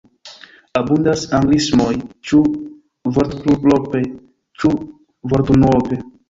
Abundas anglismoj – ĉu vortplurope, ĉu vortunuope.